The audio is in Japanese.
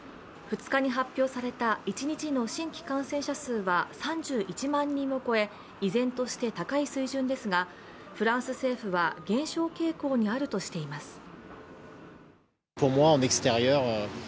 ２日に発表された一日の新規感染者数は３１万人を超え依然として高い水準ですが、フランス政府は減少傾向にあるとしています。